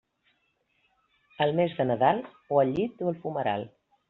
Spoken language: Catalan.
El mes de Nadal, o al llit o al fumeral.